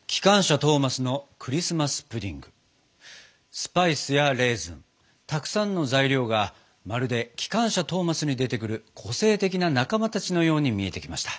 スパイスやレーズンたくさんの材料がまるで「きかんしゃトーマス」に出てくる個性的な仲間たちのように見えてきました。